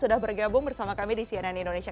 sudah bergabung bersama kami di cnn indonesia